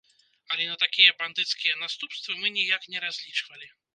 Але на такія бандыцкія наступствы мы ніяк не разлічвалі!